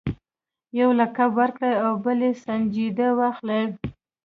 یو لقب ورکړي او بل یې سنجیده واخلي.